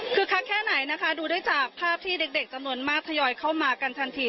คือคักแค่ไหนนะคะดูได้จากภาพที่เด็กจำนวนมากทยอยเข้ามากันทันที